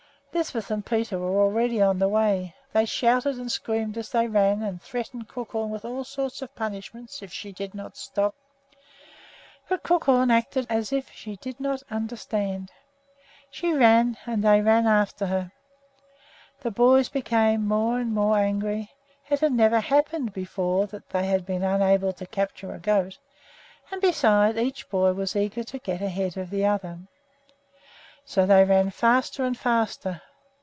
Lisbeth and Peter were already on the way. They shouted and screamed as they ran, and threatened Crookhorn with all sorts of punishments if she did not stop; but Crookhorn acted as if she did not understand. She ran, and they after her. The boys became more and more angry. It had never happened before that they had been unable to capture a goat; and besides, each boy was eager to get ahead of the other. So they ran faster and faster.